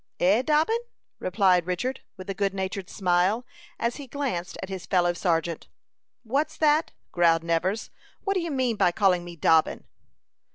"Eh, Dobbin?" replied Richard, with a good natured smile, as he glanced at his fellow sergeant. "What's that?" growled Nevers. "What do you mean by calling me Dobbin?"